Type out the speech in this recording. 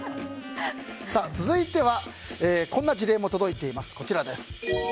続いてはこんな事例も届いています。